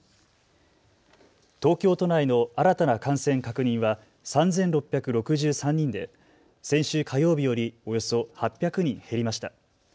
東京都内の新たな感染確認は３６６３人で先週火曜日よりおよそ８００人減りました。